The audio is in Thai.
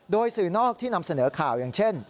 โดยสื่อนอกที่นำเสนอข่าวอย่างเช่น